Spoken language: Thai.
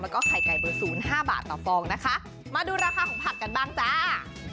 แล้วก็ไข่ไก่เบอร์ศูนย์ห้าบาทต่อฟองนะคะมาดูราคาของผักกันบ้างจ้า